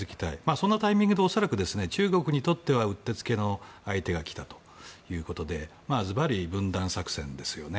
そのタイミングで恐らく中国にとってはうってつけの相手が来たということでずばり分断作戦ですよね。